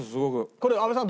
これ阿部さん